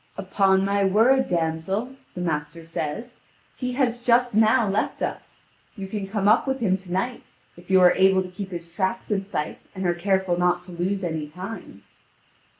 "Upon my word, damsel," the master says, "he has just now left us. You can come up with him to night, if you are able to keep his tracks in sight, and are careful not to lose any time."